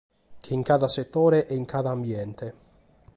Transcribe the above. Che in cada setore e in cada ambiente.